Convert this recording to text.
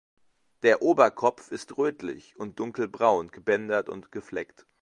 Der Oberkopf ist rötlich und dunkelbraun gebändert und gefleckt.